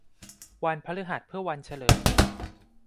วันพฤหัสเพื่อวันเฉลิม